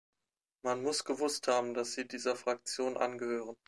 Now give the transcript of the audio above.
Man muss gewusst haben, dass Sie dieser Fraktion angehören.